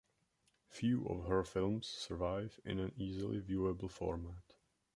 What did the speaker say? Few of her films survive in an easily viewable format.